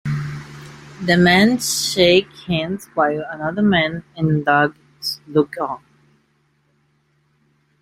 The men shake hands while another man and dogs look on.